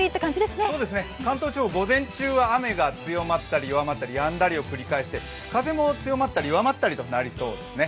関東地方、午前中は雨が強まったり弱まったり、やんだりを繰り返して風も強まったり弱まったりですね。